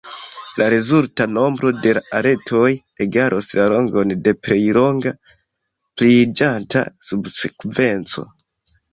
La rezulta nombro de la aretoj egalos la longon de plej longa pliiĝanta subsekvenco.